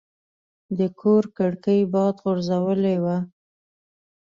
د کور کړکۍ باد غورځولې وه.